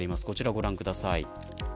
ご覧ください。